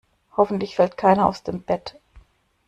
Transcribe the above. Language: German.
Hoffentlich fällt keiner aus dem Bett.